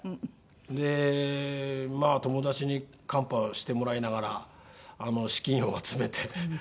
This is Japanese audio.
でまあ友達にカンパしてもらいながら資金を集めて。